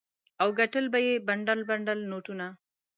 او ګټل به یې بنډل بنډل نوټونه.